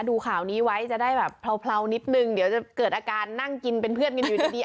ดูข่าวนี้ไว้จะได้แบบเผลานิดนึงเดี๋ยวจะเกิดอาการนั่งกินเป็นเพื่อนกันอยู่ดี